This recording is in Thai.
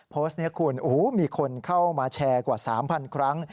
โพสต์นี้คุณมีคนเข้ามาแชร์กว่า๓๐๐ครั้ง